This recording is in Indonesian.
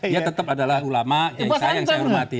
ya tetap adalah ulama yang saya hormati